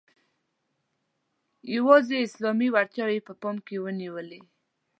یوازي اسلامي وړتیاوې یې په پام کې ونیولې.